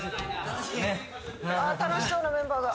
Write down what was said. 楽しそうなメンバーが。